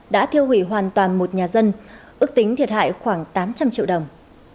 đã thiêu hủy hoàn toàn một nhà dân ước tính thiệt hại khoảng tám trăm linh triệu đồng